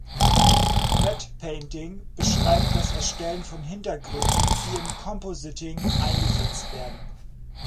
Matte Painting beschreibt das Erstellen von Hintergründen, die im Compositing eingesetzt werden.